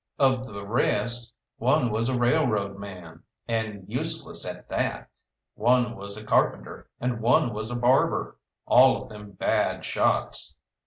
Of the rest, one was a railroad man, and useless at that, one was a carpenter, and one was a barber all of them bad shots.